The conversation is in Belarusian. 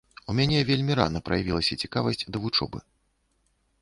У мяне вельмі рана праявілася цікавасць да вучобы.